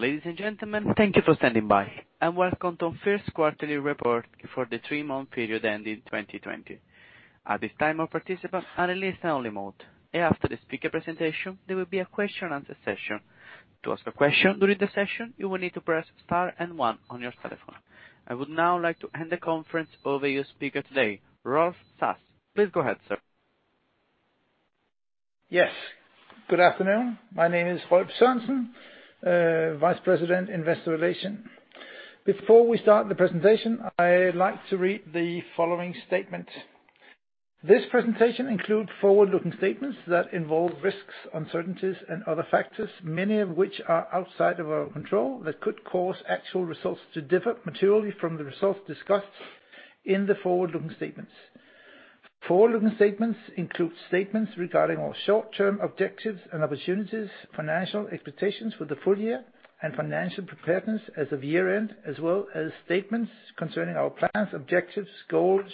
Ladies and gentlemen, thank you for standing by, and welcome to our first quarterly report for the three-month period ending 2020. At this time, all participants are in listen-only mode, and after the speaker presentation, there will be a question and answer session. To ask a question during the session, you will need to press Star and One on your telephone. I would now like to hand the conference over to your speaker today, Rolf Sørensen. Please go ahead, sir. Yes. Good afternoon. My name is Rolf Sørensen, Vice President, Investor Relations. Before we start the presentation, I like to read the following statement. This presentation includes forward-looking statements that involve risks, uncertainties, and other factors, many of which are outside of our control, that could cause actual results to differ materially from the results discussed in the forward-looking statements. Forward-looking statements include statements regarding our short-term objectives and opportunities, financial expectations for the full year, and financial preparedness as of year-end, as well as statements concerning our plans, objectives, goals,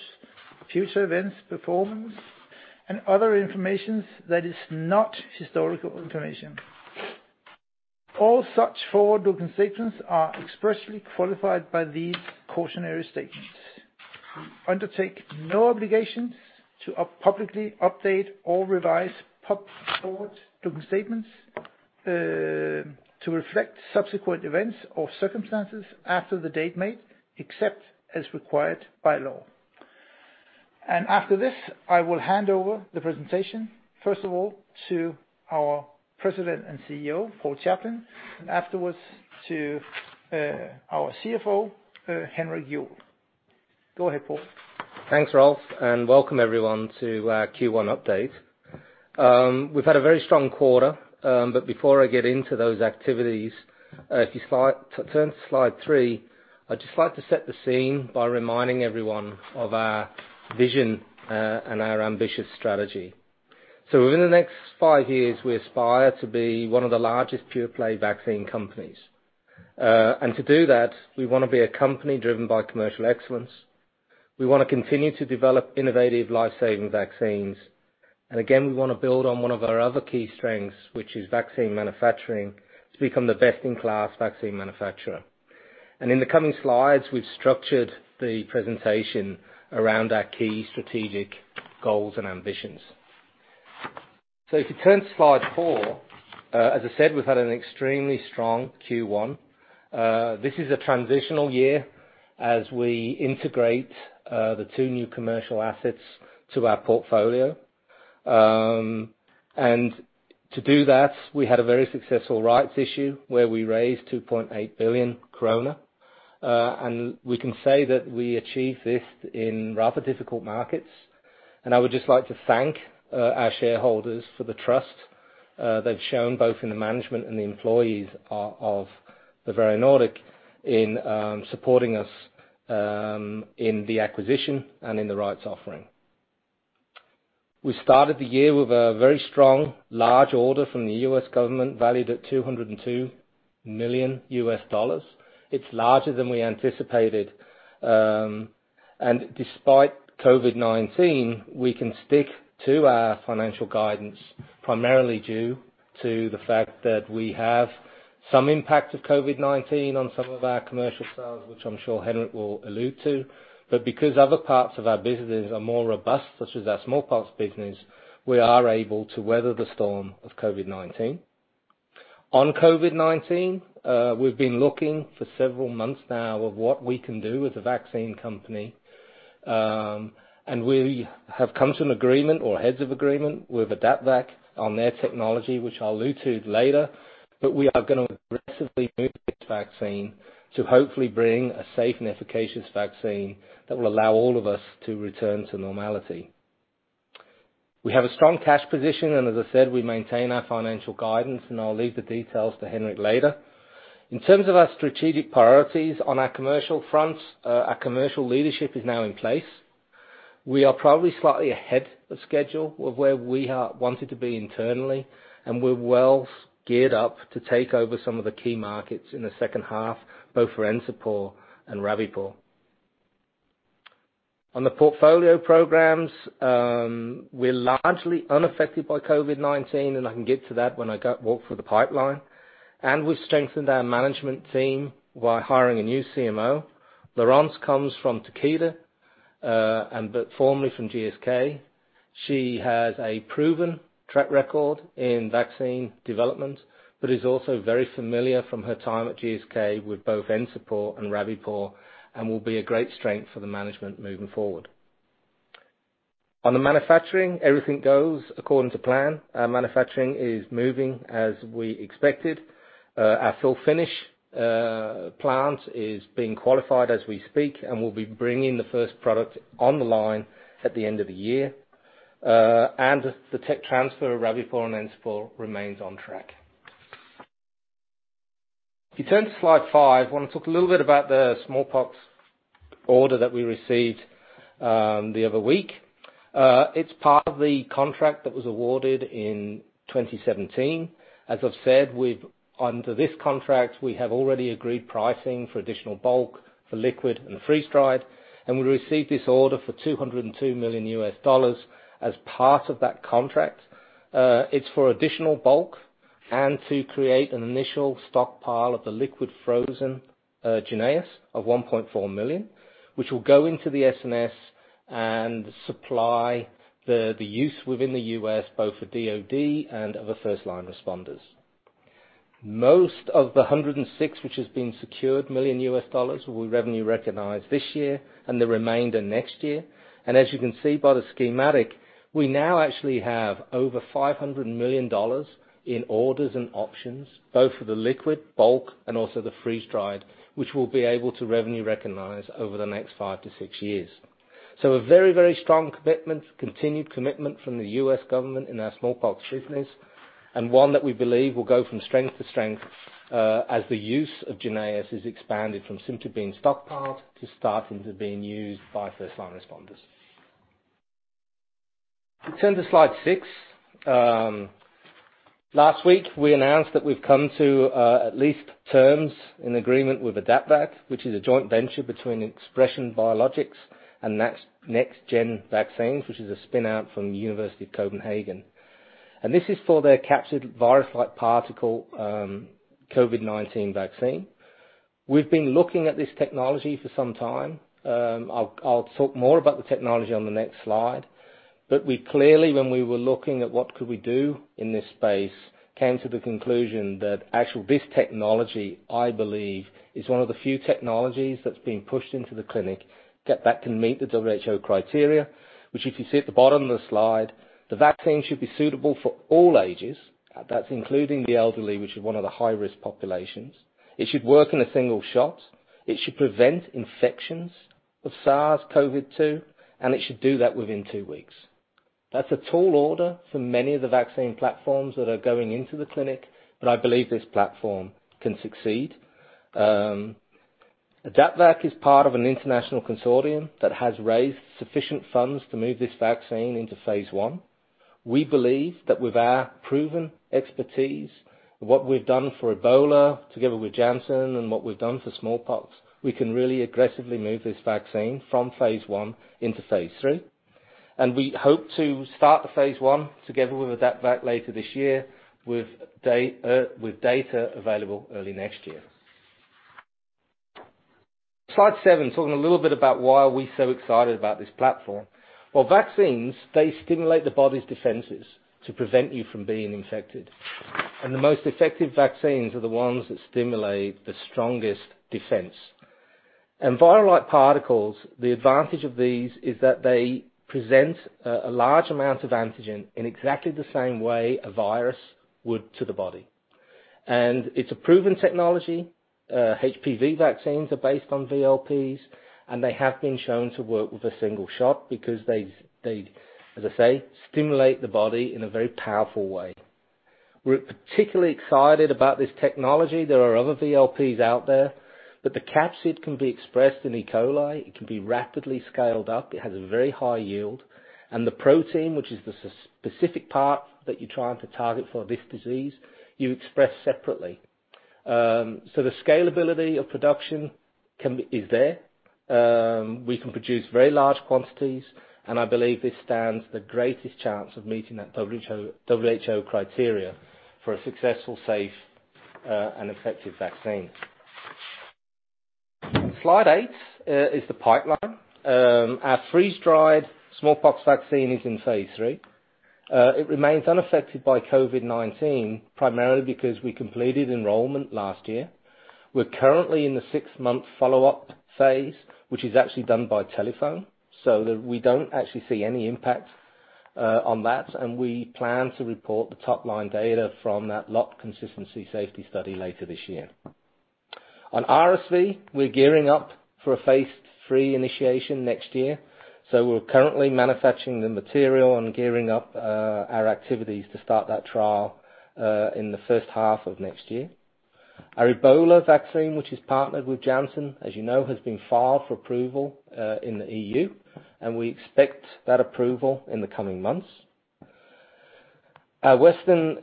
future events, performance, and other informations that is not historical information. All such forward-looking statements are expressly qualified by these cautionary statements. We undertake no obligations to publicly update or revise forward-looking statements to reflect subsequent events or circumstances after the date made, except as required by law. After this, I will hand over the presentation, first of all, to our President and CEO, Paul Chaplin, and afterwards to our CFO, Henrik Juul. Go ahead, Paul. Thanks, Rolf. Welcome everyone to our Q1 update. We've had a very strong quarter. Before I get into those activities, if you turn to Slide 3, I'd just like to set the scene by reminding everyone of our vision and our ambitious strategy. Within the next 5 years, we aspire to be 1 of the largest pure-play vaccine companies. To do that, we want to be a company driven by commercial excellence. We want to continue to develop innovative life-saving vaccines. Again, we want to build on 1 of our other key strengths, which is vaccine manufacturing, to become the best-in-class vaccine manufacturer. In the coming slides, we've structured the presentation around our key strategic goals and ambitions. If you turn to Slide 4, as I said, we've had an extremely strong Q1. This is a transitional year as we integrate the two new commercial assets to our portfolio. To do that, we had a very successful rights issue where we raised 2.8 billion krone. We can say that we achieved this in rather difficult markets. I would just like to thank our shareholders for the trust they've shown, both in the management and the employees of Bavarian Nordic, in supporting us in the acquisition and in the rights offering. We started the year with a very strong, large order from the U.S. government, valued at $202 million. It's larger than we anticipated, and despite COVID-19, we can stick to our financial guidance, primarily due to the fact that we have some impact of COVID-19 on some of our commercial sales, which I'm sure Henrik will allude to, but because other parts of our businesses are more robust, such as our smallpox business, we are able to weather the storm of COVID-19. On COVID-19, we've been looking for several months now of what we can do as a vaccine company, and we have come to an agreement or heads of agreement with AdaptVac on their technology, which I'll allude to later, but we are going to aggressively move this vaccine to hopefully bring a safe and efficacious vaccine that will allow all of us to return to normality. We have a strong cash position. As I said, we maintain our financial guidance, I'll leave the details to Henrik later. In terms of our strategic priorities on our commercial front, our commercial leadership is now in place. We are probably slightly ahead of schedule of where we wanted to be internally, We're well geared up to take over some of the key markets in the second half, both for Encepur and Rabipur. On the portfolio programs, we're largely unaffected by COVID-19, I can get to that when I walk through the pipeline, We've strengthened our management team by hiring a new CMO. Laurence comes from Takeda, but formerly from GSK. She has a proven track record in vaccine development, but is also very familiar from her time at GSK with both Encepur and Rabipur, and will be a great strength for the management moving forward. On the manufacturing, everything goes according to plan. Our manufacturing is moving as we expected. Our fill-finish plant is being qualified as we speak, and we'll be bringing the first product on the line at the end of the year. The tech transfer of Rabipur and Encepur remains on track. If you turn to Slide 5, I want to talk a little bit about the smallpox order that we received the other week. It's part of the contract that was awarded in 2017. As I've said, under this contract, we have already agreed pricing for additional bulk, for liquid and freeze-dried, and we received this order for $202 million as part of that contract. It's for additional bulk and to create an initial stockpile of the liquid-frozen JYNNEOS of 1.4 million, which will go into the SNS and supply the use within the U.S., both for DOD and other first-line responders. Most of the $106 million, which has been secured, will we revenue recognize this year and the remainder next year. As you can see by the schematic, we now actually have over $500 million in orders and options, both for the liquid, bulk, and also the freeze-dried, which we'll be able to revenue recognize over the next 5-6 years. A very, very strong commitment, continued commitment from the U.S. government in our smallpox business, and one that we believe will go from strength to strength, as the use of JYNNEOS is expanded from simply being stockpiled to starting to being used by first-line responders. Turn to Slide 6. Last week, we announced that we've come to at least terms in agreement with AdaptVac, which is a joint venture between ExpreS2ion Biotechnologies and NextGen Vaccines, which is a spin-out from the University of Copenhagen. This is for their captured virus-like particle, COVID-19 vaccine. We've been looking at this technology for some time. I'll talk more about the technology on the next slide. We clearly, when we were looking at what could we do in this space, came to the conclusion that actually, this technology, I believe, is one of the few technologies that's being pushed into the clinic, that can meet the WHO criteria. If you see at the bottom of the slide, the vaccine should be suitable for all ages, that's including the elderly, which is one of the high-risk populations. It should work in a single shot, it should prevent infections of SARS-CoV-2, it should do that within two weeks. That's a tall order for many of the vaccine platforms that are going into the clinic. I believe this platform can succeed. AdaptVac is part of an international consortium that has raised sufficient funds to move this vaccine into phase one. We believe that with our proven expertise, what we've done for Ebola, together with Janssen, and what we've done for smallpox, we can really aggressively move this vaccine from phase 1 into phase 3. We hope to start the phase 1 together with AdaptVac later this year, with data available early next year. Slide 7, talking a little bit about why are we so excited about this platform. Well, vaccines, they stimulate the body's defenses to prevent you from being infected. The most effective vaccines are the ones that stimulate the strongest defense. Viral-like particles, the advantage of these is that they present a large amount of antigen in exactly the same way a virus would to the body. It's a proven technology. HPV vaccines are based on VLPs, they have been shown to work with a single shot because they, as I say, stimulate the body in a very powerful way. We're particularly excited about this technology. There are other VLPs out there, the capsid can be expressed in E. coli, it can be rapidly scaled up, it has a very high yield, and the protein, which is the specific part that you're trying to target for this disease, you express separately. The scalability of production is there. We can produce very large quantities, I believe this stands the greatest chance of meeting that WHO criteria for a successful, safe, and effective vaccine. Slide 8 is the pipeline. Our freeze-dried smallpox vaccine is in phase 3. it remains unaffected by COVID-19, primarily because we completed enrollment last year. We're currently in the 6-month follow-up phase, which is actually done by telephone, so that we don't actually see any impact on that, and we plan to report the top-line data from that lot consistency safety study later this year. On RSV, we're gearing up for a phase 3 initiation next year, so we're currently manufacturing the material and gearing up our activities to start that trial in the first half of next year. Our Ebola vaccine, which is partnered with Janssen, as you know, has been filed for approval in the EU, and we expect that approval in the coming months. Our Western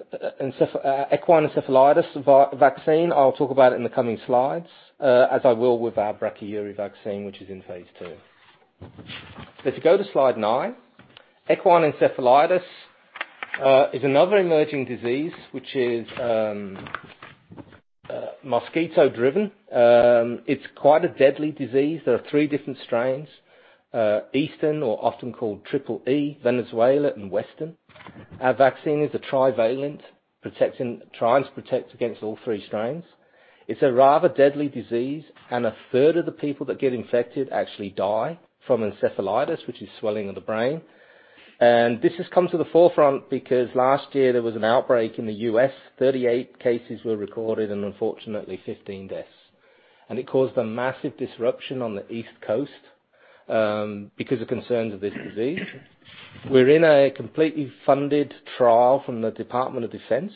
equine encephalitis vaccine, I'll talk about in the coming slides, as I will with our Brachyury vaccine, which is in phase 2. If you go to Slide 9, equine encephalitis is another emerging disease which is mosquito-driven. It's quite a deadly disease. There are three different strains, Eastern, or often called Triple E, Venezuela, and Western. Our vaccine is a trivalent, trying to protect against all three strains. It's a rather deadly disease, and a third of the people that get infected actually die from encephalitis, which is swelling of the brain. This has come to the forefront because last year there was an outbreak in the U.S. 38 cases were recorded, and unfortunately, 15 deaths. It caused a massive disruption on the East Coast, because of concerns of this disease. We're in a completely funded trial from the Department of Defense.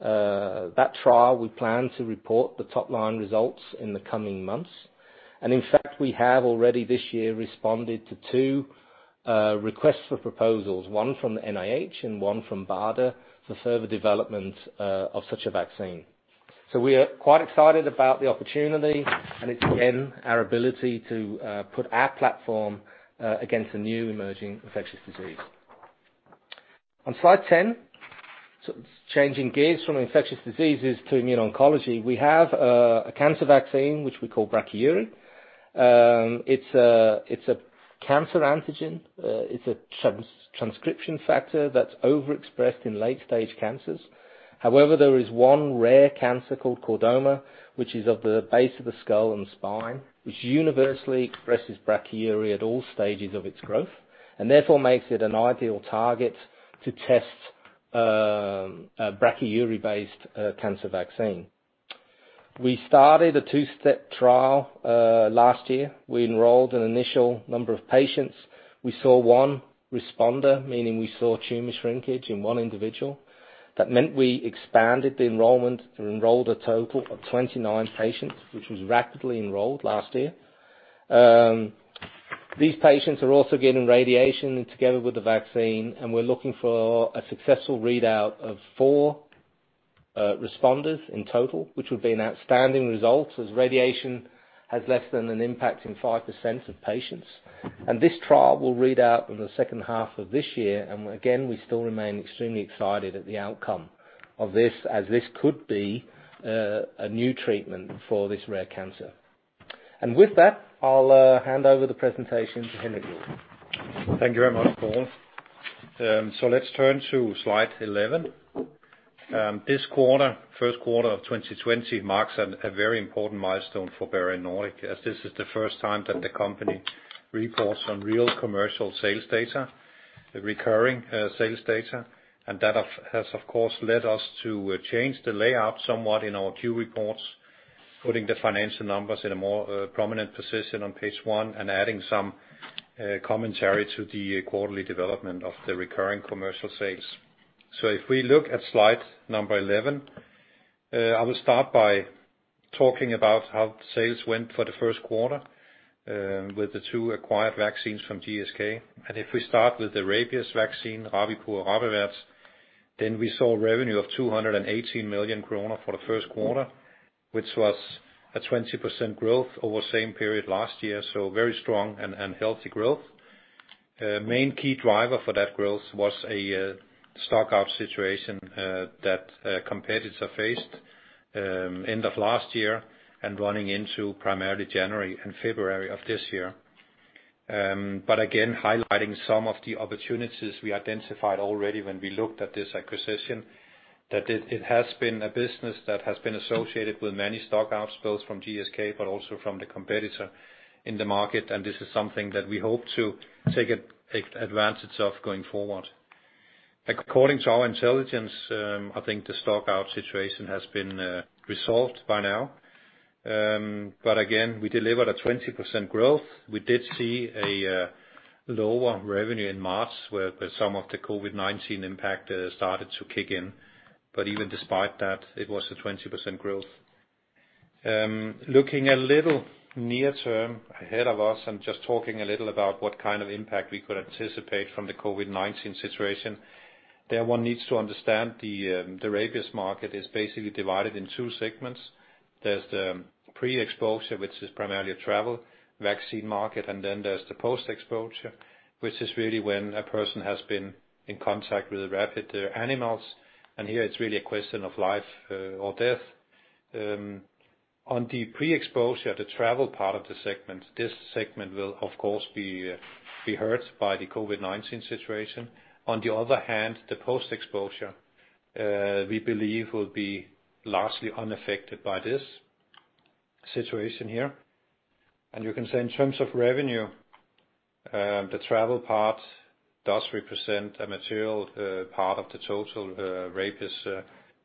That trial, we plan to report the top-line results in the coming months. In fact, we have already this year responded to 2 requests for proposals, 1 from the NIH and 1 from BARDA, for further development of such a vaccine. We are quite excited about the opportunity, and it's, again, our ability to put our platform against a new emerging infectious disease. On Slide 10, changing gears from infectious diseases to immuno-oncology, we have a cancer vaccine, which we call Brachyury. It's a cancer antigen. It's a transcription factor that's overexpressed in late-stage cancers. There is 1 rare cancer called chordoma, which is of the base of the skull and spine, which universally expresses Brachyury at all stages of its growth, and therefore makes it an ideal target to test a Brachyury-based cancer vaccine. We started a 2-step trial last year. We enrolled an initial number of patients. We saw 1 responder, meaning we saw tumor shrinkage in 1 individual. That meant we expanded the enrollment and enrolled a total of 29 patients, which was rapidly enrolled last year. These patients are also getting radiation together with the vaccine, and we're looking for a successful readout of 4 responders in total, which would be an outstanding result, as radiation has less than an impact in 5% of patients. This trial will read out in the second half of this year, and again, we still remain extremely excited at the outcome of this, as this could be a new treatment for this rare cancer. With that, I'll hand over the presentation to Henrik. Thank you very much, Paul. Let's turn to Slide 11. This quarter, Q1 of 2020, marks a very important milestone for Bavarian Nordic, as this is the first time that the company reports on real commercial sales data, the recurring sales data, and that has, of course, led us to change the layout somewhat in our Q reports, putting the financial numbers in a more prominent position on page 1 and adding some commentary to the quarterly development of the recurring commercial sales. If we look at Slide 11, I will start by talking about how sales went for the Q1 with the 2 acquired vaccines from GSK. If we start with the rabies vaccine, Rabipur and RabAvert, we saw revenue of 218 million kroner for the Q1, which was a 20% growth over the same period last year, very strong and healthy growth. Main key driver for that growth was a stock out situation that a competitor faced end of last year and running into primarily January and February of this year. Again, highlighting some of the opportunities we identified already when we looked at this acquisition, that it has been a business that has been associated with many stock outs, both from GSK, but also from the competitor in the market, and this is something that we hope to take advantages of going forward. According to our intelligence, I think the stock out situation has been resolved by now. Again, we delivered a 20% growth. We did see a lower revenue in March, where some of the COVID-19 impact started to kick in, but even despite that, it was a 20% growth. Looking a little near term ahead of us and just talking a little about what kind of impact we could anticipate from the COVID-19 situation, there one needs to understand the rabies market is basically divided in 2 segments. There's the pre-exposure, which is primarily a travel vaccine market, and then there's the post-exposure, which is really when a person has been in contact with rabid animals, and here it's really a question of life or death. On the pre-exposure, the travel part of the segment, this segment will, of course, be hurt by the COVID-19 situation. The post-exposure, we believe will be largely unaffected by this situation here. In terms of revenue, the travel part does represent a material part of the total rabies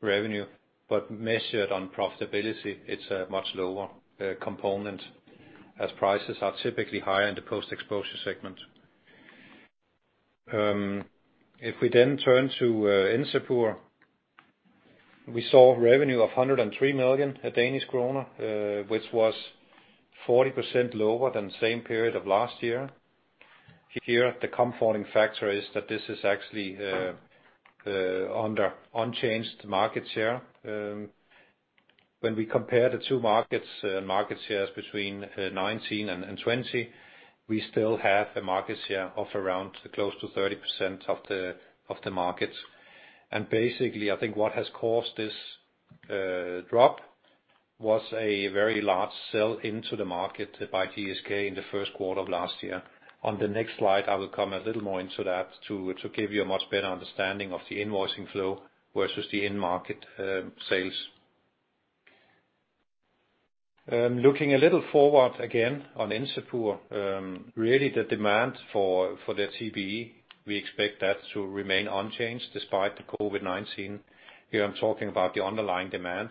revenue, but measured on profitability, it's a much lower component, as prices are typically higher in the post-exposure segment. Encepur, we saw revenue of 103 million Danish kroner, which was 40% lower than the same period of last year. Here, the confounding factor is that this is actually under unchanged market share. When we compare the two markets, market shares between 19 and 20, we still have a market share of around close to 30% of the market. Basically, I think what has caused this drop was a very large sell into the market by GSK in the Q1 of last year. On the next slide, I will come a little more into that to give you a much better understanding of the invoicing flow versus the end market sales. Looking a little forward again on Encepur, really the demand for the TBE, we expect that to remain unchanged despite the COVID-19. Here, I'm talking about the underlying demand,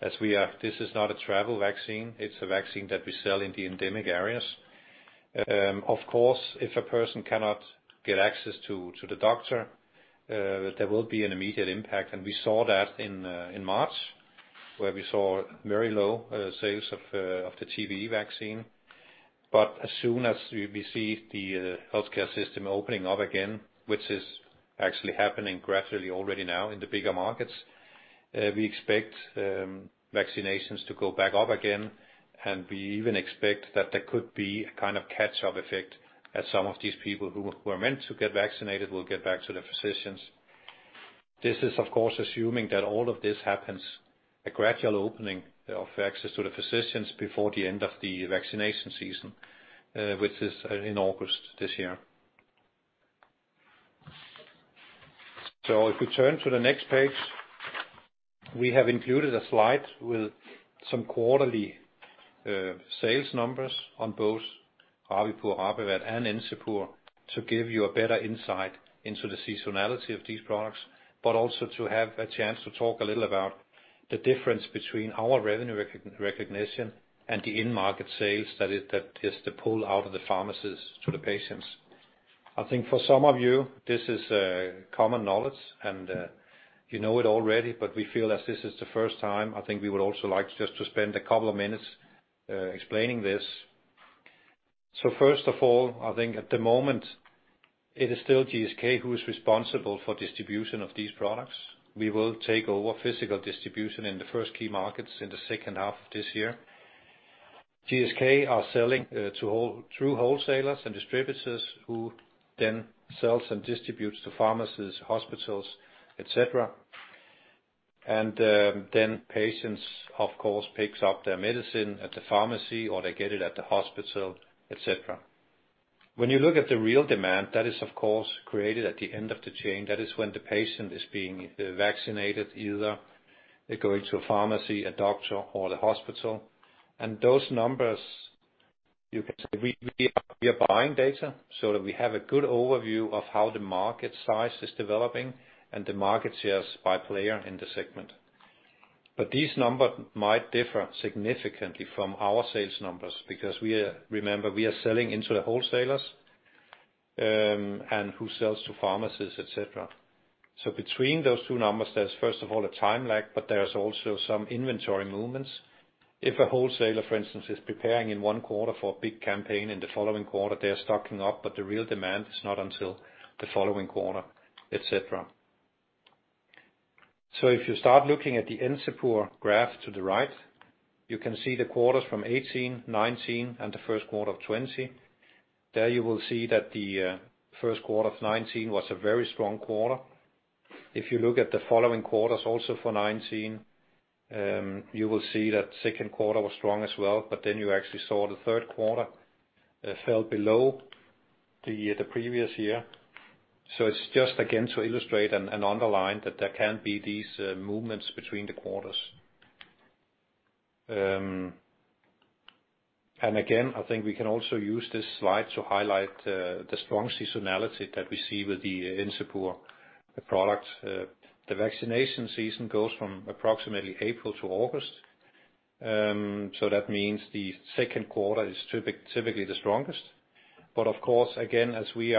as this is not a travel vaccine, it's a vaccine that we sell in the endemic areas. Of course, if a person cannot get access to the doctor, there will be an immediate impact, and we saw that in March, where we saw very low sales of the TBE vaccine. As soon as we see the healthcare system opening up again, which is actually happening gradually already now in the bigger markets, we expect vaccinations to go back up again, and we even expect that there could be a kind of catch-up effect as some of these people who were meant to get vaccinated will get back to their physicians. This is, of course, assuming that all of this happens, a gradual opening of access to the physicians before the end of the vaccination season, which is in August this year. If we turn to the next page, we have included a slide with some quarterly sales numbers on both Rabipur, Rabivax, and Encepur, to give you a better insight into the seasonality of these products, but also to have a chance to talk a little about the difference between our revenue recognition and the end market sales that is the pull out of the pharmacies to the patients. I think for some of you, this is common knowledge, and you know it already, but we feel as this is the first time, I think we would also like just to spend a couple of minutes explaining this. First of all, I think at the moment, it is still GSK who is responsible for distribution of these products. We will take over physical distribution in the first key markets in the second half of this year. GSK are selling through wholesalers and distributors, who then sells and distributes to pharmacies, hospitals, et cetera. Then patients, of course, picks up their medicine at the pharmacy, or they get it at the hospital, et cetera. When you look at the real demand, that is, of course, created at the end of the chain, that is when the patient is being vaccinated, either they're going to a pharmacy, a doctor, or the hospital. Those numbers, you can say we are buying data so that we have a good overview of how the market size is developing and the market shares by player in the segment. These numbers might differ significantly from our sales numbers because remember, we are selling into the wholesalers, and who sells to pharmacies, etc. Between those two numbers, there's first of all, a time lag, but there's also some inventory movements. If a wholesaler, for instance, is preparing in one quarter for a big campaign, in the following quarter, they are stocking up, but the real demand is not until the following quarter, etc. If you start looking at the Encepur graph to the right, you can see the quarters from 2018, 2019, and the Q1 of 2020. There you will see that the Q1 of 2019 was a very strong quarter. If you look at the following quarters, also for 2019, you will see that Q2 was strong as well, but then you actually saw the Q3 fell below the previous year. It's just again, to illustrate and underline that there can be these movements between the quarters. Again, I think we can also use this slide to highlight the strong seasonality that we see with the Encepur products. The vaccination season goes from approximately April to August, so that means the Q2 is typically the strongest. Of course, again, as we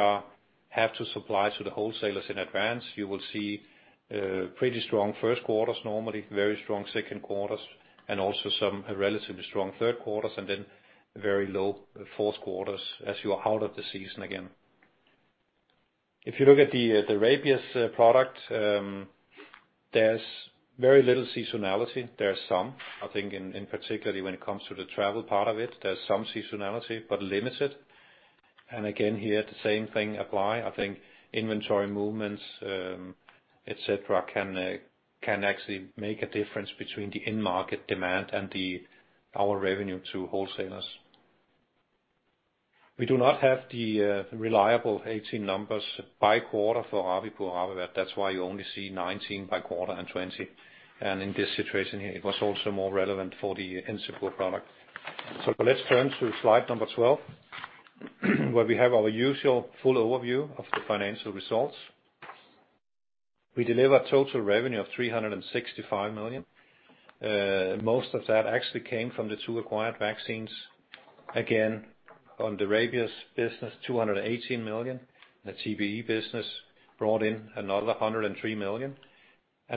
have to supply to the wholesalers in advance, you will see pretty strong Q1s, normally very strong Q2s, and also some relatively strong Q3s, and then very low Q4s as you are out of the season again. If you look at the Rabies product, there's very little seasonality. There are some, I think in, particularly when it comes to the travel part of it, there's some seasonality, but limited. Again, here, the same thing apply. I think inventory movements, et cetera, can actually make a difference between the end market demand and our revenue to wholesalers. We do not have the reliable 2018 numbers by quarter for Rabipur, Rabivax that's why you only see 2019 by quarter and 2020. In this situation here, it was also more relevant for the Encepur product. Let's turn to Slide 12, where we have our usual full overview of the financial results. We delivered total revenue of 365 million. Most of that actually came from the two acquired vaccines. On the Rabies business, 218 million. The TBE business brought in another 103 million.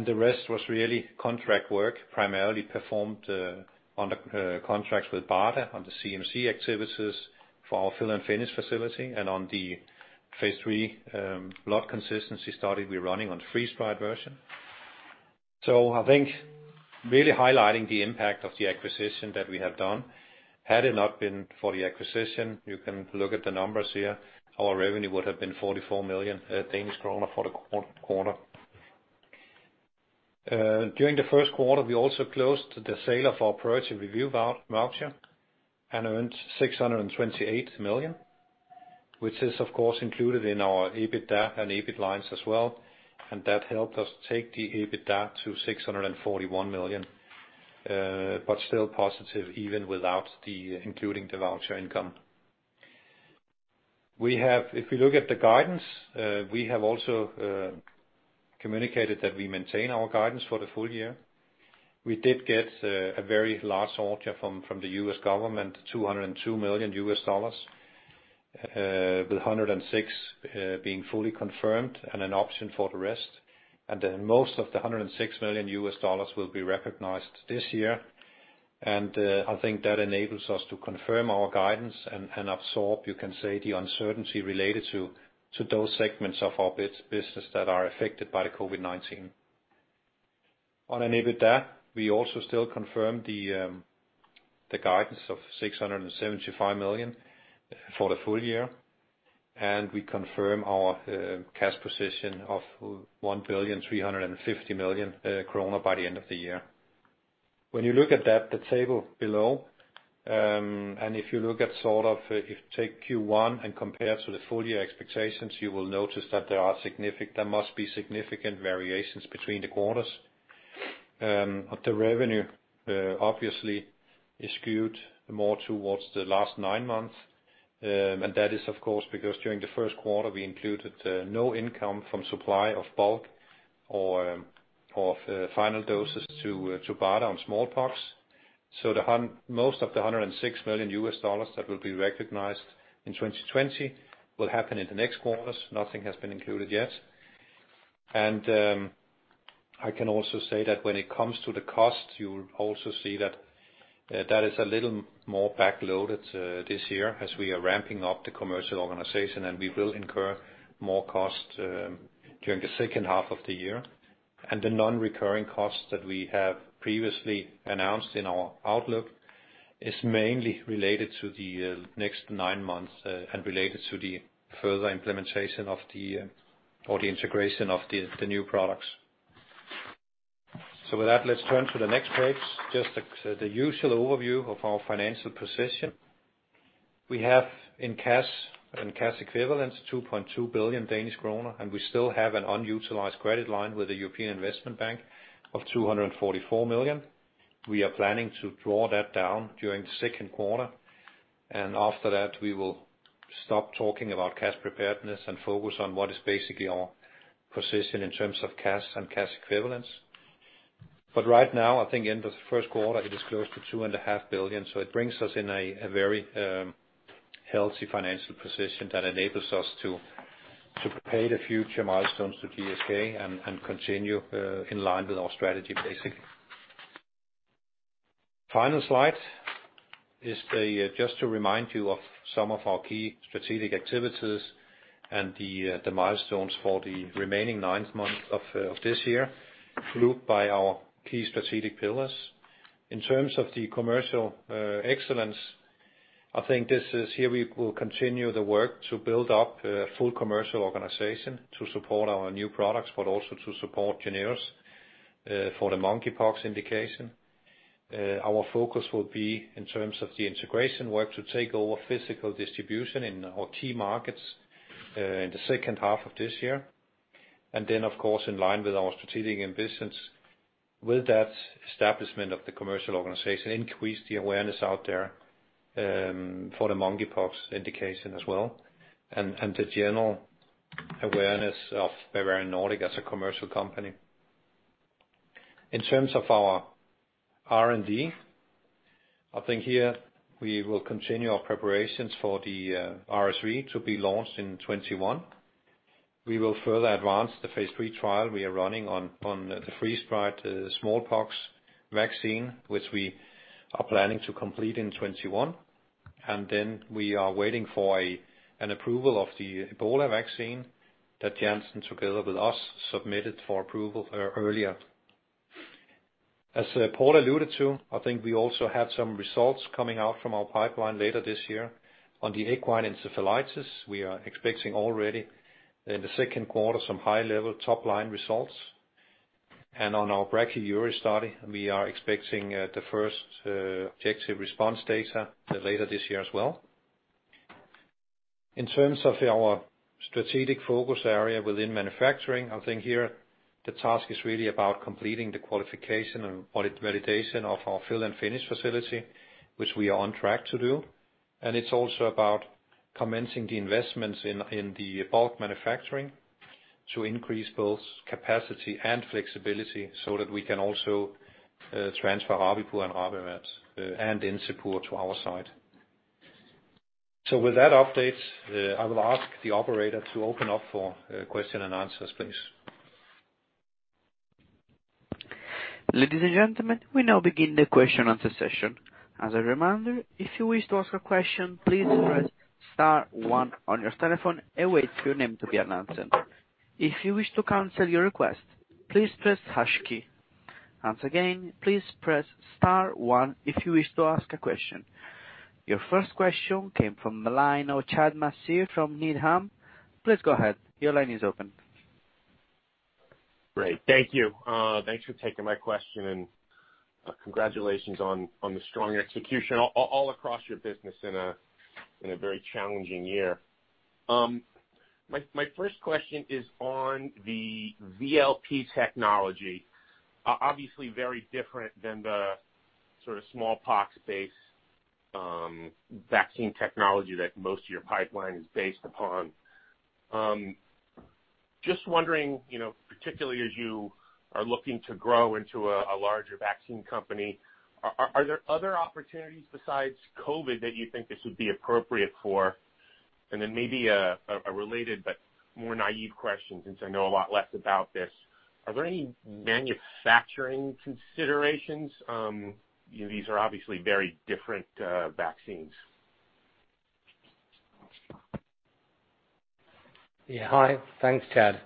The rest was really contract work, primarily performed on the contracts with BARDA on the CMC activities for our fill-finish facility and on the phase 3 lot consistency study we're running on freeze-dried version. I think really highlighting the impact of the acquisition that we have done, had it not been for the acquisition, you can look at the numbers here, our revenue would have been 44 million for the quarter. During the Q1, we also closed the sale of our priority review voucher and earned $628 million, which is, of course, included in our EBITDA and EBIT lines as well, that helped us take the EBITDA to $641 million, still positive, even without the including the voucher income. If we look at the guidance, we have also communicated that we maintain our guidance for the full year. We did get a very large order from the U.S. government, $202 million, with $106 million being fully confirmed and an option for the rest. Most of the $106 million will be recognized this year. I think that enables us to confirm our guidance and absorb, you can say, the uncertainty related to those segments of our business that are affected by COVID-19. On an EBITDA, we also still confirm the guidance of 675 million for the full year, we confirm our cash position of 1,350 million kroner by the end of the year. When you look at that, the table below, if you look at sort of, if you take Q1 and compare to the full year expectations, you will notice that there must be significant variations between the quarters. The revenue obviously is skewed more towards the last nine months. That is, of course, because during the Q1, we included no income from supply of bulk or of final doses to BARDA on smallpox. Most of the $106 million that will be recognized in 2020 will happen in the next quarters. Nothing has been included yet. I can also say that when it comes to the cost, you will also see that that is a little more backloaded this year as we are ramping up the commercial organization, and we will incur more cost during the second half of the year. The non-recurring costs that we have previously announced in our outlook is mainly related to the next 9 months and related to the further implementation of the or the integration of the new products. With that, let's turn to the next page. Just the usual overview of our financial position. We have in cash and cash equivalents, 2.2 billion Danish kroner, and we still have an unutilized credit line with the European Investment Bank of 244 million. We are planning to draw that down during the Q2, and after that, we will stop talking about cash preparedness and focus on what is basically our position in terms of cash and cash equivalents. Right now, in the Q1, it is close to two and a half billion, so it brings us in a very healthy financial position that enables us to pay the future milestones to GSK and continue in line with our strategy, basically. Final slide is just to remind you of some of our key strategic activities and the milestones for the remaining nine months of this year, grouped by our key strategic pillars. In terms of the commercial excellence, here we will continue the work to build up a full commercial organization to support our new products, but also to support JYNNEOS for the mpox indication. Our focus will be in terms of the integration work to take over physical distribution in our key markets in the second half of this year. Of course, in line with our strategic ambitions, with that establishment of the commercial organization, increase the awareness out there for the mpox indication as well, and the general awareness of Bavarian Nordic as a commercial company. In terms of our R&D, I think here we will continue our preparations for the RSV to be launched in 2021. We will further advance the phase 3 trial we are running on the freeze-dried smallpox vaccine, which we are planning to complete in 2021. We are waiting for an approval of the Ebola vaccine that Janssen, together with us, submitted for approval earlier. As Paul alluded to, I think we also have some results coming out from our pipeline later this year. On the equine encephalitis, we are expecting already in the Q2, some high-level top-line results. On our brachyury study, we are expecting the first objective response data later this year as well. In terms of our strategic focus area within manufacturing, I think here the task is really about completing the qualification and audit validation of our fill-finish facility, which we are on track to do. It's also about commencing the investments in the bulk manufacturing to increase both capacity and flexibility so that we can also transfer Rabipur and Rabivax and Encepur to our site. With that update, I will ask the operator to open up for question and answers, please. Ladies and gentlemen, we now begin the question and answer session. As a reminder, if you wish to ask a question, please press star one on your telephone and wait for your name to be announced. If you wish to cancel your request, please press hash key. Once again, please press star one if you wish to ask a question. Your first question came from the line of Chad Masiya from Needham. Please go ahead. Your line is open. Great. Thank you. Congratulations on the strong execution all across your business in a very challenging year. My first question is on the VLP technology. Obviously, very different than the sort of smallpox-based, vaccine technology that most of your pipeline is based upon. Just wondering, you know, particularly as you are looking to grow into a larger vaccine company, are there other opportunities besides COVID that you think this would be appropriate for? Maybe a related but more naive question, since I know a lot less about this: Are there any manufacturing considerations? These are obviously very different, vaccines. Hi. Thanks, Chad.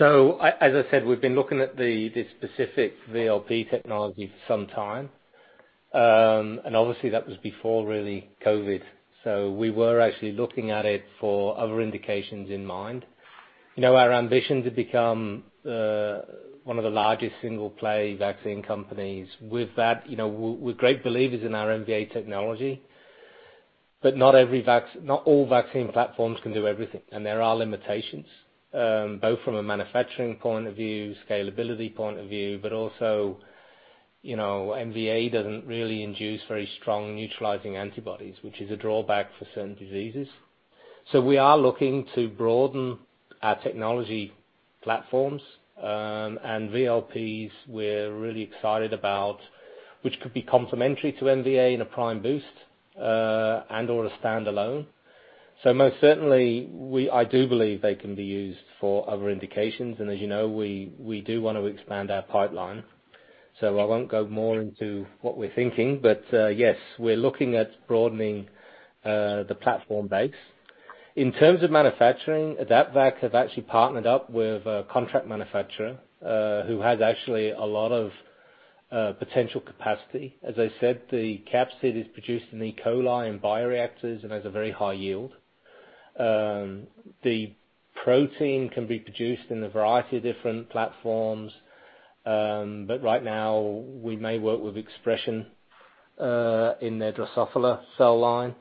As I said, we've been looking at this specific VLP technology for some time. Obviously, that was before really COVID, we were actually looking at it for other indications in mind. You know, our ambition to become one of the largest single-play vaccine companies, with that, you know, we're great believers in our MVA technology, not all vaccine platforms can do everything, there are limitations, both from a manufacturing point of view, scalability point of view, also, you know, MVA doesn't really induce very strong neutralizing antibodies, which is a drawback for certain diseases. We are looking to broaden our technology platforms, VLPs we're really excited about, which could be complementary to MVA in a prime-boost or a standalone. Most certainly, I do believe they can be used for other indications, and as you know, we do want to expand our pipeline. I won't go more into what we're thinking, but yes, we're looking at broadening the platform base. In terms of manufacturing, AdaptVac have actually partnered up with a contract manufacturer, who has actually a lot of potential capacity. As I said, the capsid is produced in E. coli and bioreactors and has a very high yield. The protein can be produced in a variety of different platforms, but right now, we may work with expression in their Drosophila cell line.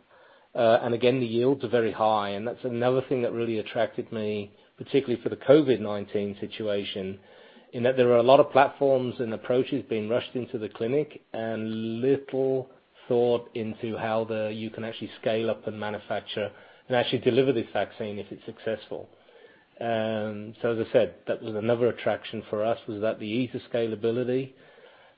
Again, the yields are very high, and that's another thing that really attracted me, particularly for the COVID-19 situation, in that there are a lot of platforms and approaches being rushed into the clinic, and little thought into how you can actually scale up and manufacture and actually deliver this vaccine if it's successful. As I said, that was another attraction for us, was that the ease of scalability,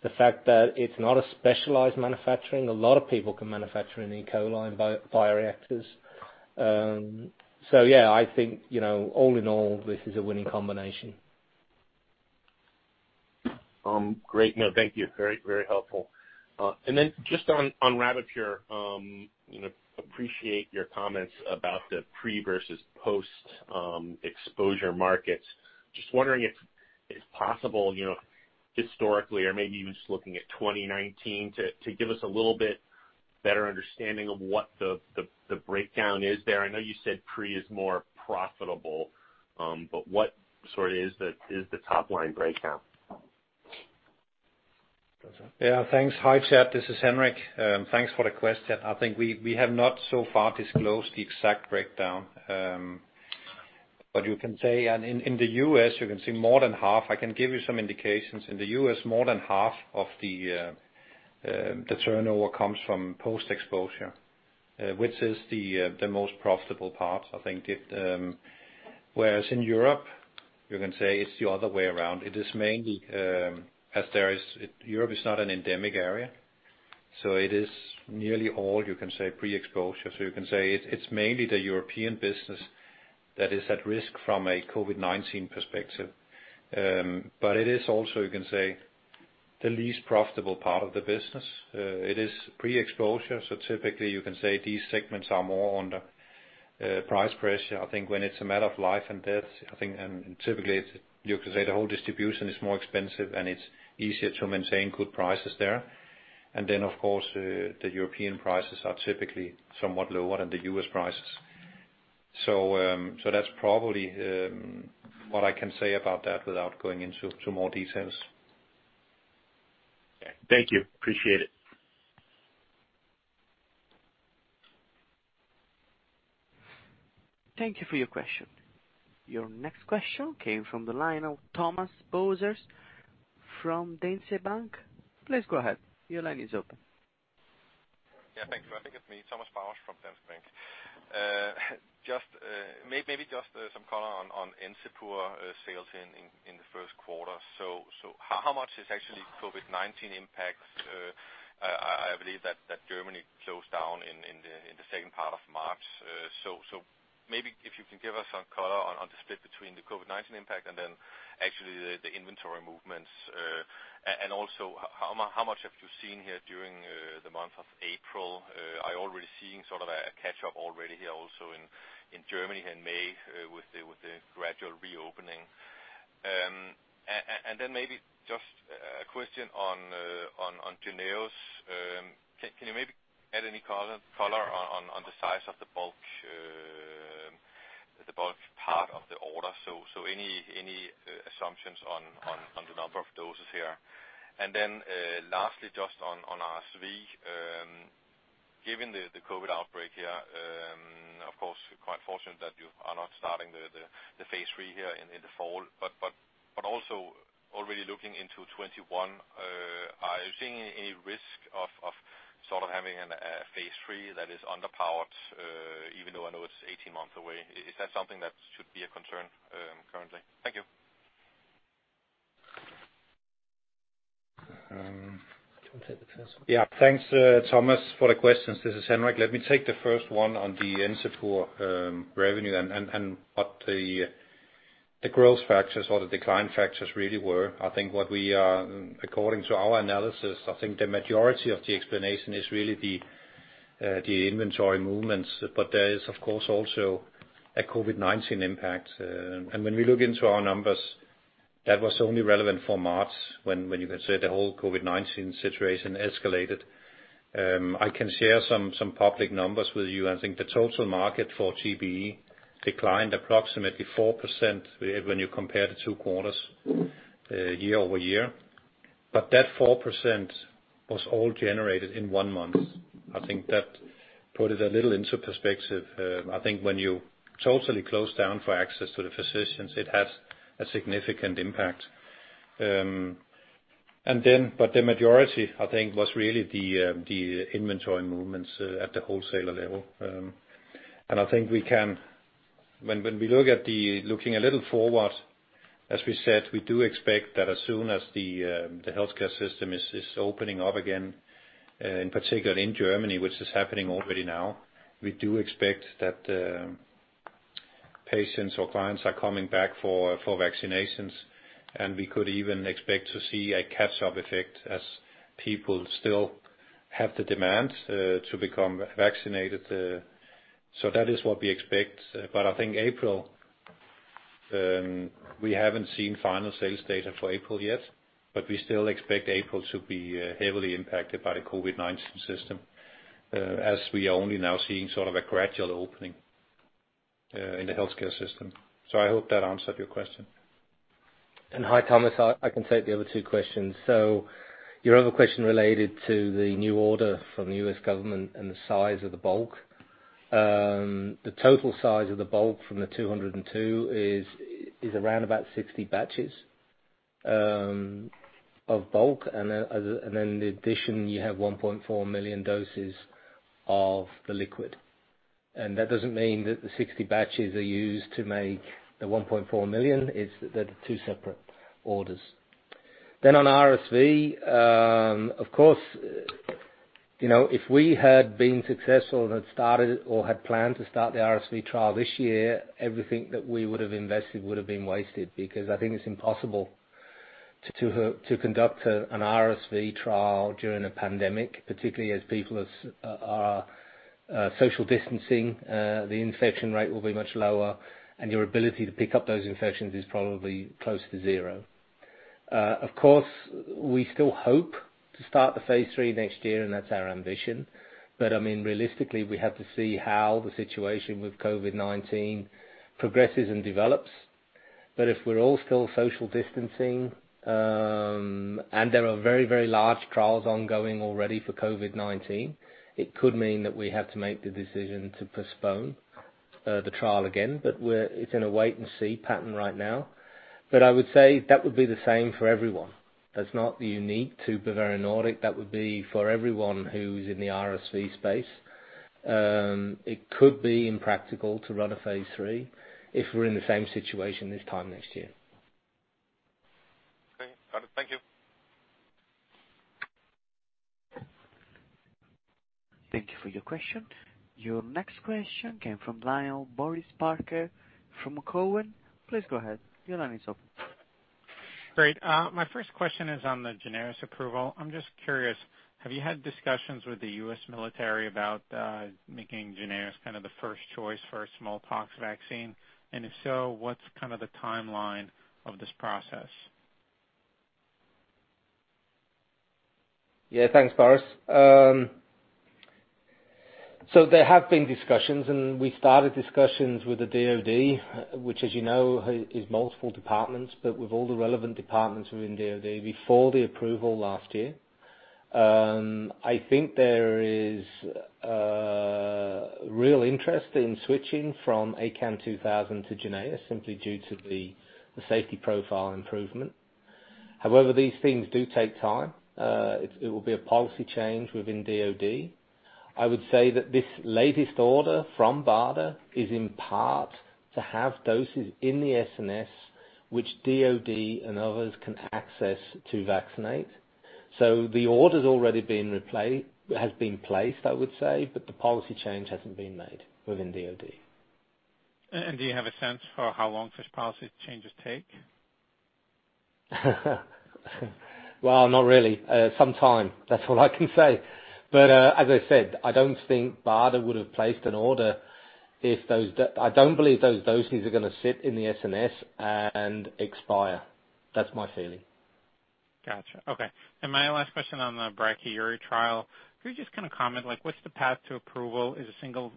the fact that it's not a specialized manufacturing, a lot of people can manufacture an E. coli bioreactors. Yeah, I think, you know, all in all, this is a winning combination. Great. No, thank you. Very helpful. Then just on Rabipur, you know, appreciate your comments about the pre-versus post-exposure markets. Just wondering if it's possible, you know, historically or maybe even just looking at 2019, to give us a little bit better understanding of what the breakdown is there. I know you said pre is more profitable, but what sort of is the top line breakdown? Yeah, thanks. Hi, Chad, this is Henrik. Thanks for the question. I think we have not so far disclosed the exact breakdown. You can say, in the U.S., you can see more than half. I can give you some indications. In the U.S., more than half of the turnover comes from post-exposure, which is the most profitable part. I think it. In Europe, you can say it's the other way around. It is mainly, as there is, Europe is not an endemic area, it is nearly all, you can say, pre-exposure. You can say it's mainly the European business that is at risk from a COVID-19 perspective. It is also, you can say, the least profitable part of the business. It is pre-exposure, typically, you can say these segments are more under price pressure. I think when it's a matter of life and death, I think, and typically, you can say the whole distribution is more expensive, and it's easier to maintain good prices there. Of course, the European prices are typically somewhat lower than the U.S. prices. That's probably what I can say about that without going into more details. Thank you. Appreciate it. Thank you for your question. Your next question came from the line of Thomas Bowers from Danske Bank. Please go ahead. Your line is open. Yeah, thanks. I think it's me, Thomas Bowers from Danske Bank. just maybe just some color on Encepur sales in the Q1. how much is actually COVID-19 impact? I believe that Germany closed down in the second part of March. maybe if you can give us some color on the split between the COVID-19 impact and then actually the inventory movements. and also, how much have you seen here during the month of April? I already seeing sort of a catch up already here also in Germany, in May, with the gradual reopening. and then maybe just a question on JYNNEOS. Can you maybe add any color on the size of the bulk part of the order? Any assumptions on the number of doses here? Lastly, just on RSV, given the COVID outbreak here, of course, quite fortunate that you are not starting the phase III here in the fall. Also already looking into 2021, are you seeing any risk of sort of having an phase III that is underpowered, even though I know it's 18 months away? Is that something that should be a concern currently? Thank you. Do you wanna take the first one? Thanks, Thomas, for the questions. This is Henrik. Let me take the first one on the Encepur revenue and what the growth factors or the decline factors really were. I think what we are, according to our analysis, I think the majority of the explanation is really the inventory movements. There is, of course, also a COVID-19 impact. When we look into our numbers, that was only relevant for March, when you can say the whole COVID-19 situation escalated. I can share some public numbers with you. I think the total market for TBE declined approximately 4% when you compare the two quarters year-over-year. That 4% was all generated in one month. I think that put it a little into perspective. I think when you totally close down for access to the physicians, it has a significant impact. The majority, I think, was really the inventory movements at the wholesaler level. I think when we look at the looking a little forward, as we said, we do expect that as soon as the healthcare system is opening up again, in particular in Germany, which is happening already now, we do expect that the patients or clients are coming back for vaccinations, and we could even expect to see a catch-up effect as people still have the demand to become vaccinated. That is what we expect. I think April, we haven't seen final sales data for April yet, but we still expect April to be heavily impacted by the COVID-19 system, as we are only now seeing sort of a gradual opening, in the healthcare system. I hope that answered your question. Hi, Thomas, I can take the other two questions. Your other question related to the new order from the U.S. government and the size of the bulk. The total size of the bulk from the 202 is around about 60 batches of bulk, and then in addition, you have 1.4 million doses of the liquid. That doesn't mean that the 60 batches are used to make the 1.4 million. They're two separate orders. On RSV, of course, you know, if we had been successful and had started or had planned to start the RSV trial this year, everything that we would have invested would have been wasted, because I think it's impossible to conduct an RSV trial during a pandemic, particularly as people are social distancing, the infection rate will be much lower, and your ability to pick up those infections is probably close to zero. Of course, we still hope to start the phase III next year, and that's our ambition. I mean, realistically, we have to see how the situation with COVID-19 progresses and develops. If we're all still social distancing, and there are very, very large trials ongoing already for COVID-19, it could mean that we have to make the decision to postpone the trial again, but it's in a wait and see pattern right now. I would say that would be the same for everyone. That's not unique to Bavarian Nordic. That would be for everyone who's in the RSV space. It could be impractical to run a phase III if we're in the same situation this time next year. Okay. Got it. Thank you. Thank you for your question. Your next question came from line of Boris Peaker from Cowen. Please go ahead. Your line is open. Great. My first question is on the JYNNEOS approval. I'm just curious, have you had discussions with the U.S. military about making JYNNEOS kind of the first choice for a smallpox vaccine? If so, what's kind of the timeline of this process? Thanks, Boris. There have been discussions, and we started discussions with the DoD, which, as you know, is multiple departments, but with all the relevant departments within DoD, before the approval last year. I think there is real interest in switching from ACAM2000 to JYNNEOS simply due to the safety profile improvement. However, these things do take time. It will be a policy change within DoD. I would say that this latest order from BARDA is in part to have doses in the SNS, which DoD and others can access to vaccinate. The order's already been placed, I would say, but the policy change hasn't been made within DoD. Do you have a sense for how long such policy changes take? Well, not really. some time. That's all I can say. As I said, I don't think BARDA would have placed an order if those I don't believe those doses are gonna sit in the SNS and expire. That's my feeling. Gotcha. Okay. My last question on the brachyury trial. Could you just kind of comment, like, what's the path to approval? Is a single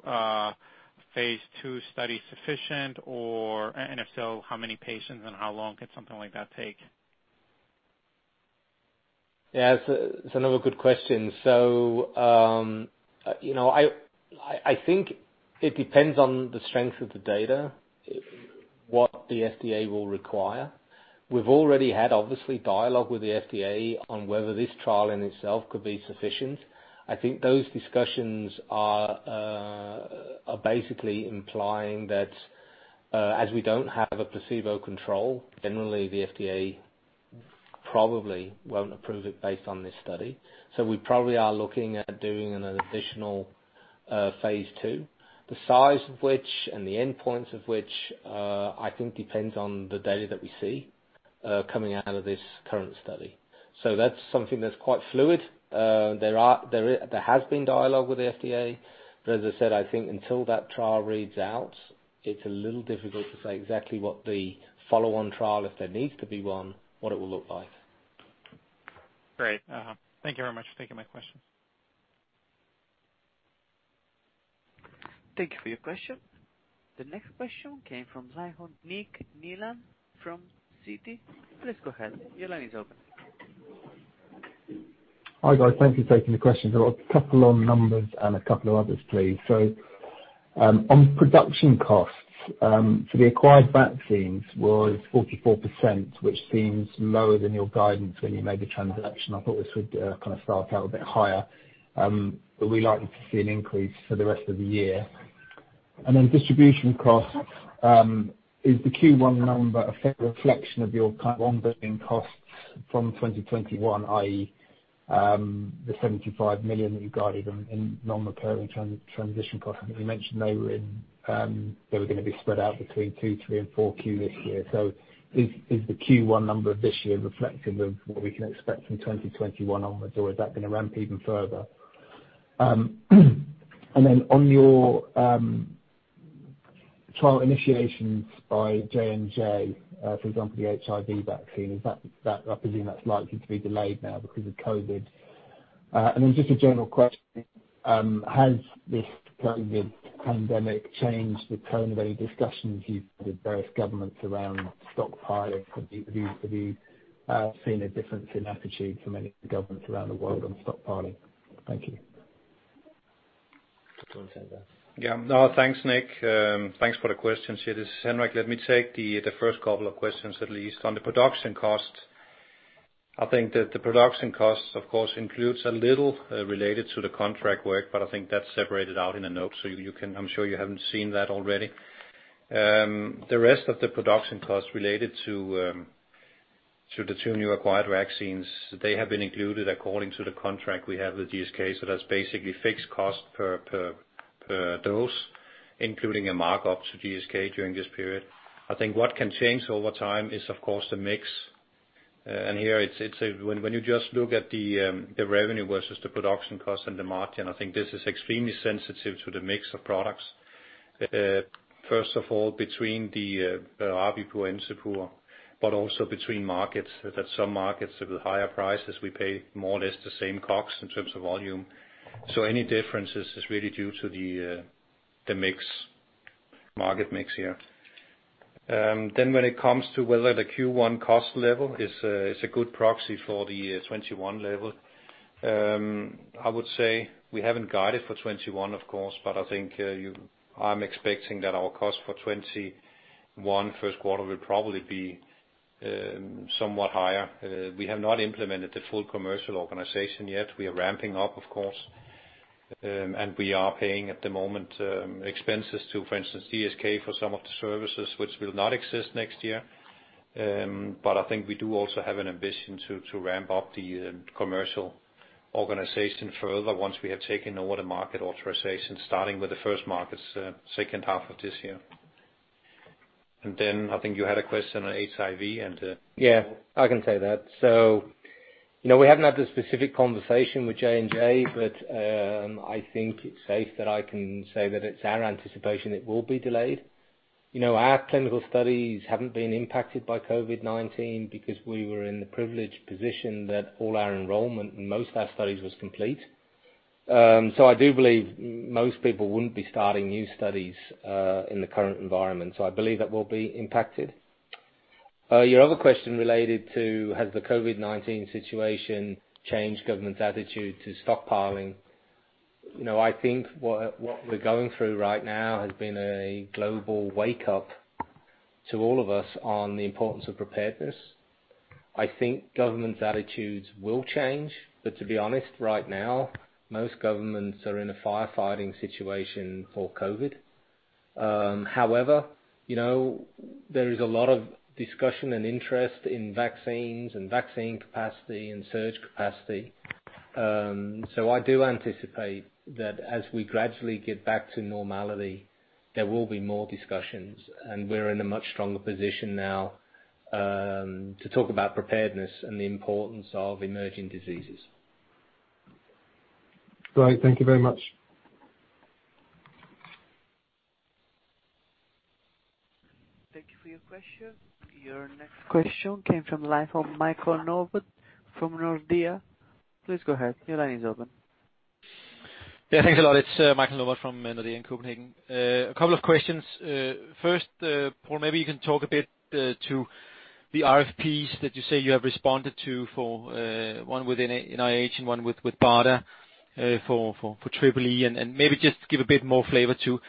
phase II study sufficient, or if so, how many patients, and how long could something like that take? Yes, that's another good question. you know, I think it depends on the strength of the data, what the FDA will require. We've already had, obviously, dialogue with the FDA on whether this trial in itself could be sufficient. I think those discussions are basically implying that as we don't have a placebo control, generally, the FDA probably won't approve it based on this study. We probably are looking at doing an additional phase two, the size of which and the endpoints of which I think depends on the data that we see coming out of this current study. That's something that's quite fluid. There has been dialogue with the FDA. As I said, I think until that trial reads out, it's a little difficult to say exactly what the follow-on trial, if there needs to be one, what it will look like. Great. Thank you very much for taking my question. Thank you for your question. The next question came from line of Nick Nilan from Citi. Please go ahead. Your line is open. Hi, guys. Thank you for taking the question. A couple on numbers and a couple of others, please. On production costs for the acquired vaccines was 44%, which seems lower than your guidance when you made the transaction. I thought this would kind of start out a bit higher. We likely to see an increase for the rest of the year. Then distribution costs, is the Q1 number a fair reflection of your kind of ongoing costs from 2021, i.e., the 75 million that you guided in non-recurring transition costs? I think you mentioned they were in, they were going to be spread out between 2, 3, and 4 Q this year. Is the Q1 number of this year reflective of what we can expect from 2021 onwards, or is that going to ramp even further? On your trial initiations by J&J, for example, the HIV vaccine, is that I presume that's likely to be delayed now because of COVID. Just a general question, has this COVID pandemic changed the tone of any discussions you've had with various governments around stockpiling? Have you seen a difference in attitude from any governments around the world on stockpiling? Thank you. Go on, Henrik. No, thanks, Nick. Thanks for the questions here. This is Henrik. Let me take the first couple of questions, at least. On the production cost, I think that the production cost, of course, includes a little related to the contract work, but I think that's separated out in a note, so I'm sure you haven't seen that already. The rest of the production costs related to the 2 new acquired vaccines, they have been included according to the contract we have with GSK. That's basically fixed cost per dose, including a markup to GSK during this period. I think what can change over time is, of course, the mix. Here it's a. When you just look at the revenue versus the production cost and the margin, I think this is extremely sensitive to the mix of products. First of all, between the Rabipur, Encepur, but also between markets, that some markets have a higher prices, we pay more or less the same costs in terms of volume. Any differences is really due to the mix, market mix here. When it comes to whether the Q1 cost level is a good proxy for the 2021 level, I would say we haven't guided for 2021, of course, but I think I'm expecting that our cost for 2021 Q1 will probably be somewhat higher. We have not implemented the full commercial organization yet. We are ramping up, of course, and we are paying at the moment, expenses to, for instance, GSK for some of the services, which will not exist next year. I think we do also have an ambition to ramp up the commercial organization further once we have taken over the marketing authorisation, starting with the first markets, second half of this year. Then I think you had a question on HIV and, Yeah, I can take that. You know, we haven't had the specific conversation with J&J, but I think it's safe that I can say that it's our anticipation it will be delayed. You know, our clinical studies haven't been impacted by COVID-19 because we were in the privileged position that all our enrollment and most of our studies was complete. I do believe most people wouldn't be starting new studies in the current environment, so I believe that will be impacted. Your other question related to, has the COVID-19 situation changed government's attitude to stockpiling? You know, I think what we're going through right now has been a global wake-up to all of us on the importance of preparedness. I think government's attitudes will change, but to be honest, right now, most governments are in a firefighting situation for COVID. However, you know, there is a lot of discussion and interest in vaccines and vaccine capacity and search capacity. I do anticipate that as we gradually get back to normality, there will be more discussions, and we're in a much stronger position now, to talk about preparedness and the importance of emerging diseases. Great. Thank you very much. Thank you for your question. Your next question came from the line of Michael Novod from Nordea. Please go ahead. Your line is open. Yeah, thanks a lot. It's Michael Novod from Nordea in Copenhagen. A couple of questions. First, Paul, maybe you can talk a bit to the RFPs that you say you have responded to for one with NIH and one with BARDA for Triple E. Maybe just give a bit more flavor to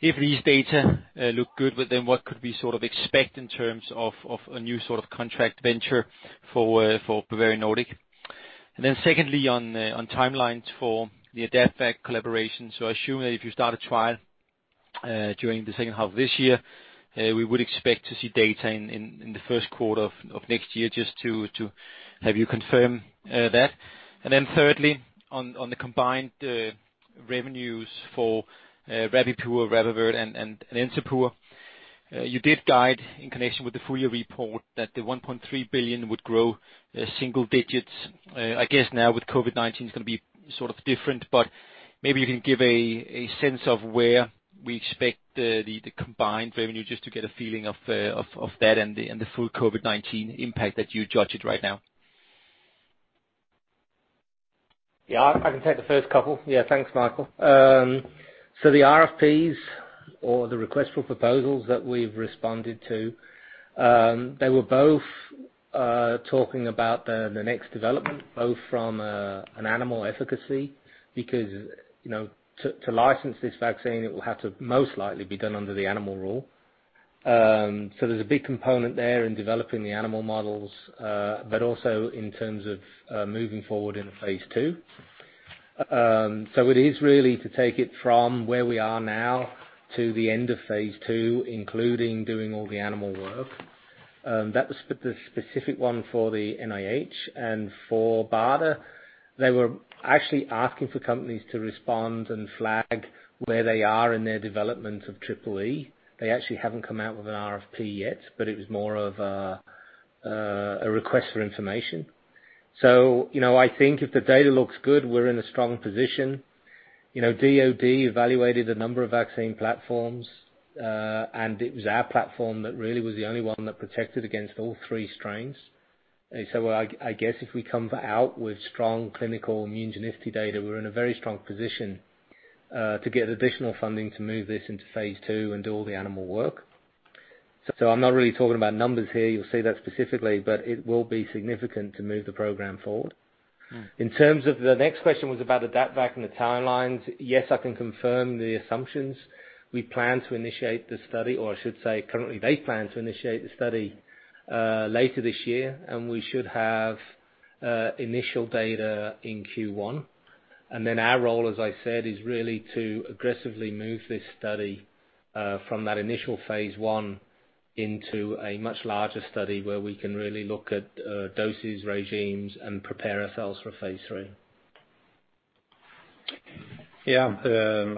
if these data look good, well then what could we sort of expect in terms of a new sort of contract venture for Bavarian Nordic? Secondly, on the timelines for the AdaptVac collaboration. Assuming that if you start a trial during the second half of this year, we would expect to see data in the Q1 of next year, just to have you confirm that. Thirdly, on the combined revenues for Rabipur, RabAvert, and Encepur. You did guide in connection with the full year report that the 1.3 billion would grow single digits. I guess now with COVID-19, it's gonna be sort of different, but maybe you can give a sense of where we expect the combined revenue, just to get a feeling of that and the full COVID-19 impact that you judge it right now. Yeah, I can take the first couple. Yeah, thanks, Michael. The RFPs or the request for proposals that we've responded to, they were both talking about the next development, both from an animal efficacy, because, you know, to license this vaccine, it will have to most likely be done under the Animal Rule. There's a big component there in developing the animal models, but also in terms of moving forward in the phase II. It is really to take it from where we are now to the end of phase II, including doing all the animal work. That was the specific one for the NIH and for BARDA. They were actually asking for companies to respond and flag where they are in their development of Triple E. They actually haven't come out with an RFP yet, it was more of a request for information. You know, I think if the data looks good, we're in a strong position. You know, DoD evaluated a number of vaccine platforms, and it was our platform that really was the only one that protected against all three strains. I guess if we come out with strong clinical immunogenicity data, we're in a very strong position to get additional funding to move this into phase two and do all the animal work. I'm not really talking about numbers here, you'll see that specifically, but it will be significant to move the program forward. In terms of the next question was about AdaptVac and the timelines. Yes, I can confirm the assumptions. We plan to initiate the study, or I should say, currently, they plan to initiate the study, later this year. We should have initial data in Q1. Our role, as I said, is really to aggressively move this study from that initial phase 1 into a much larger study, where we can really look at doses, regimes, and prepare ourselves for phase 3. Yeah.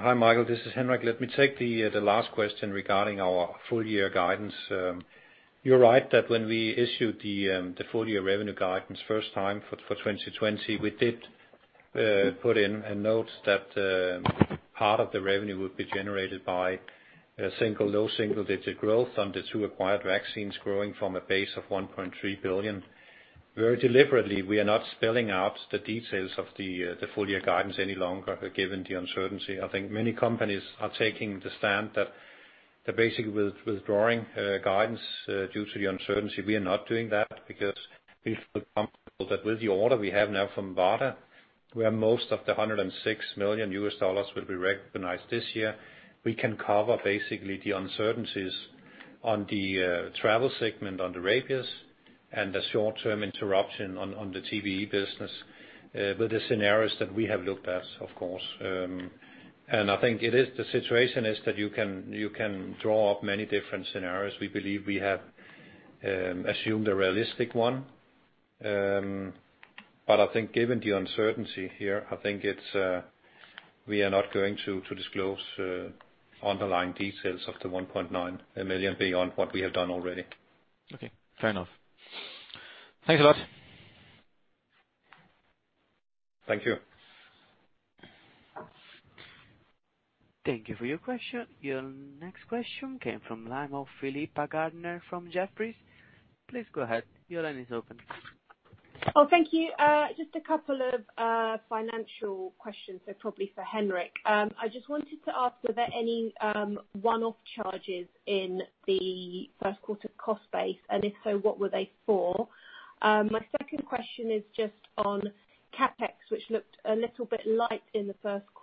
Hi, Michael, this is Henrik. Let me take the last question regarding our full year guidance. You're right, that when we issued the full year revenue guidance first time for 2020, we did put in a note that part of the revenue would be generated by a single, low single digit growth on the two acquired vaccines, growing from a base of 1.3 billion. Very deliberately, we are not spelling out the details of the full year guidance any longer, given the uncertainty. I think many companies are taking the stand that they're basically withdrawing guidance due to the uncertainty. We are not doing that because we feel comfortable that with the order we have now from BARDA, where most of the $106 million will be recognized this year, we can cover basically the uncertainties on the travel segment, on the Rabies, and the short-term interruption on the TBE business, with the scenarios that we have looked at, of course. I think it is, the situation is that you can draw up many different scenarios. We believe we have assumed a realistic one. I think given the uncertainty here, I think it's. We are not going to disclose underlying details of the 1.9 million beyond what we have done already. Okay, fair enough. Thanks a lot. Thank you. Thank you for your question. Your next question came from line of Philippa Gardner, from Jefferies. Please go ahead. Your line is open. Oh, thank you. Just a couple of financial questions, so probably for Henrik. I just wanted to ask, were there any one-off charges in the fiQ1 cost base? If so, what were they for? My second question is just on CapEx, which looked a little bit light in the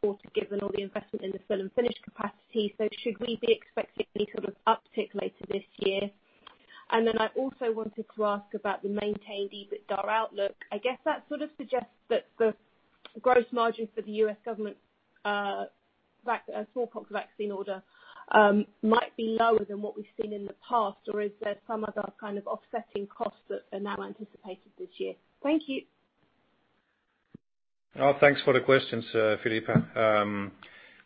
Q1, given all the investment in the fill-finish capacity. Should we be expecting any sort of uptick later this year? I also wanted to ask about the maintained EBITDA outlook. I guess that sort of suggests that the growth margin for the U.S. government, smallpox vaccine order, might be lower than what we've seen in the past, or is there some other kind of offsetting costs that are now anticipated this year? Thank you. Thanks for the questions, Philippa.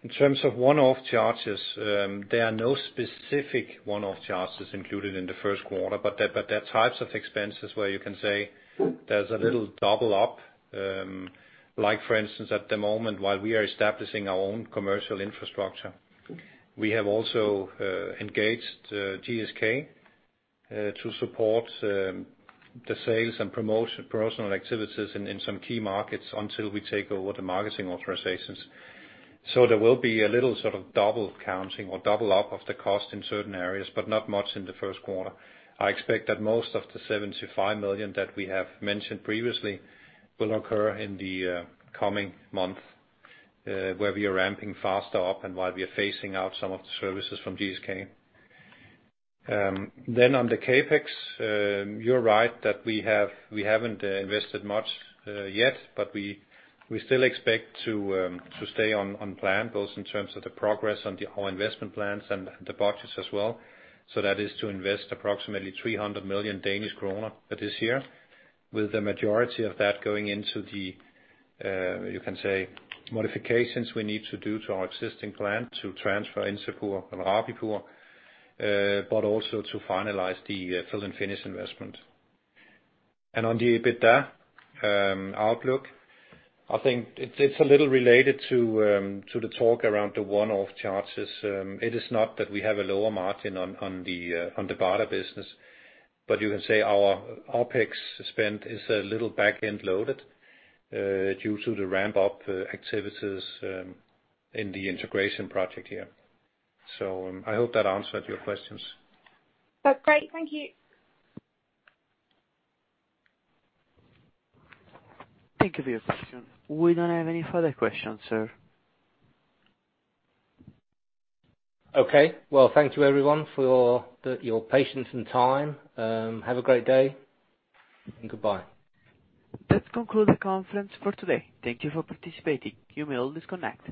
In terms of one-off charges, there are no specific one-off charges included in the Q1, but there are types of expenses where you can say there's a little double up. Like for instance, at the moment, while we are establishing our own commercial infrastructure, we have also engaged GSK to support the sales and promotional activities in some key markets until we take over the marketing authorizations. There will be a little sort of double counting or double up of the cost in certain areas, but not much in the Q1. I expect that most of the 75 million that we have mentioned previously will occur in the coming months, where we are ramping faster up and while we are phasing out some of the services from GSK. On the CapEx, you're right that we haven't invested much yet, but we still expect to stay on plan, both in terms of the progress on the, our investment plans and the budgets as well. That is to invest approximately 300 million Danish kroner this year, with the majority of that going into the, you can say, modifications we need to do to our existing plant to transfer Encepur and Rabipur, but also to finalize the fill-finish investment. On the EBITDA outlook, I think it's a little related to the talk around the one-off charges. It is not that we have a lower margin on the BARDA business, but you can say our OpEx spend is a little back-end loaded due to the ramp-up activities in the integration project here. I hope that answered your questions. Oh, great. Thank you. Thank you for your question. We don't have any further questions, sir. Okay. Well, thank you, everyone, for your patience and time. Have a great day, and goodbye. That concludes the conference for today. Thank you for participating. You may all disconnect.